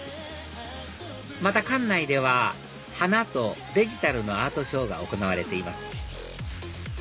また館内では花とデジタルのアートショーが行われています